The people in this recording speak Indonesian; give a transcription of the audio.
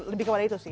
lebih kepada itu sih